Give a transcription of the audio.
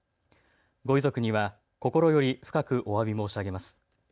ご遺族には心より深くおわび申し上げます。